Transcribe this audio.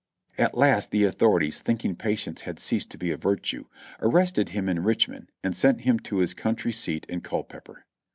.\t last the authorities, thinking patience had ceased to be a virtue, arrested him in Richmond and sent him to his country seat in Cul peper.